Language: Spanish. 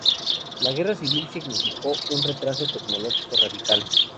La guerra civil significó un retraso tecnológico radical.